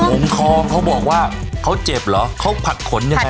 ผมคอเขาบอกว่าเขาเจ็บเหรอเขาผัดขนยังไง